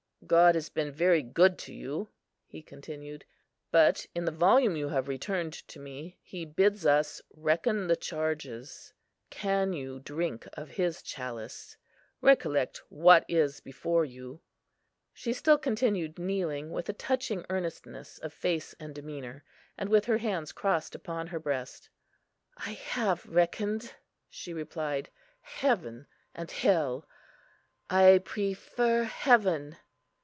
"God has been very good to you," he continued; "but in the volume you have returned to me He bids us 'reckon the charges.' Can you drink of His chalice? Recollect what is before you." She still continued kneeling, with a touching earnestness of face and demeanour, and with her hands crossed upon her breast. "I have reckoned," she replied; "heaven and hell: I prefer heaven."